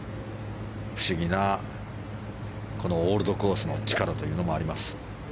不思議な、このオールドコースの力というのもあります。